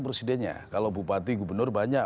presidennya kalau bupati gubernur banyak